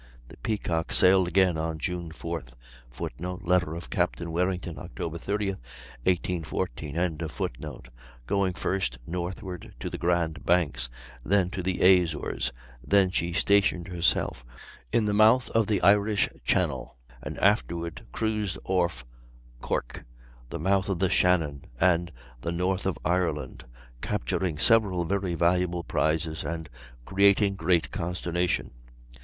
The Peacock sailed again on June 4th, [Footnote: Letter of Capt. Warrington, Oct. 30, 1814.] going first northward to the Grand Banks, then to the Azores; then she stationed herself in the mouth of the Irish Channel, and afterward cruised off Cork, the mouth of the Shannon, and the north of Ireland, capturing several very valuable prizes and creating great consternation.